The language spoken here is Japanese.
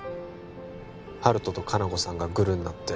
温人と香菜子さんがグルになって